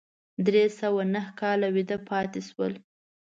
درې سوه نهه کاله ویده پاتې شول.